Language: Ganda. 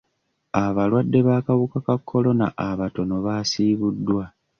Abalwadde b'akawuka ka kolona abatono baasibuddwa.